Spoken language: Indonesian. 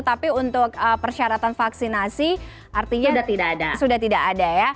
tapi untuk persyaratan vaksinasi artinya sudah tidak ada ya